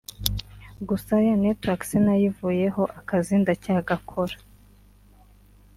Gusa ya network sinayivuyeho akazi ndacyagakora